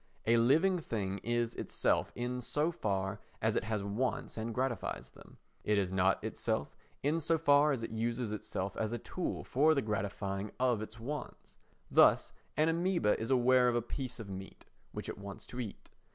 A living thing is itself in so far as it has wants and gratifies them. It is not itself in so far as it uses itself as a tool for the gratifying of its wants. Thus an amœba is aware of a piece of meat which it wants to eat.